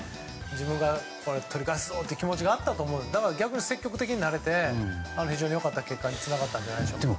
自分が取り返すぞという気持ちがあったと思うのでだから逆に積極的になれて非常に良かった結果につながったんじゃないでしょうか。